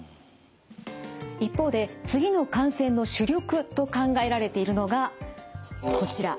一方で次の感染の主力と考えられているのがこちら。